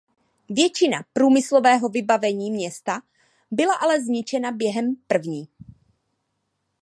Většina průmyslového vybavení města byla ale zničena během první.